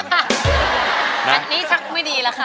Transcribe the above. อันนี้ชักไม่ดีแล้วค่ะ